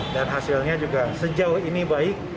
dan hasilnya juga sejauh ini baik